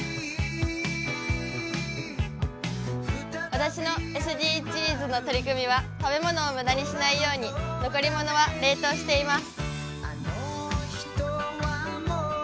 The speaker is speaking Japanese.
私のＳＤＧｓの取り組みは食べ物を無駄にしないように、残り物は冷凍しています。